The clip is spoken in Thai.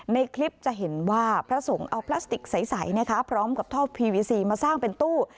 ในคลิปจะเห็นว่าพระสงฆ์เอาพลาสติกใสนะคะพร้อมกับท่อพีวีซีมาสร้างเป็นตู้